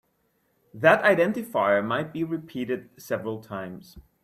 That identifier might be repeated several times.